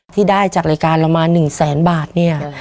ที่ได้จากรายการเรามา๑แสนบาทเนี่ย